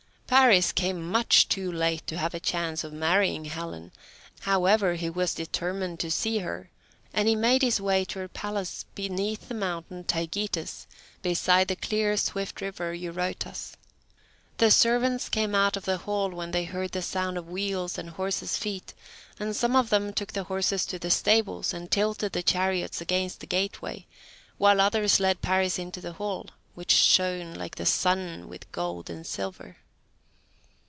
Paris came much too late to have a chance of marrying Helen; however, he was determined to see her, and he made his way to her palace beneath the mountain Taygetus, beside the clear swift river Eurotas. The servants came out of the hall when they heard the sound of wheels and horses' feet, and some of them took the horses to the stables, and tilted the chariots against the gateway, while others led Paris into the hall, which shone like the sun with gold and silver.